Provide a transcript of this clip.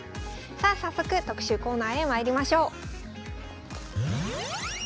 さあ早速特集コーナーへまいりましょう。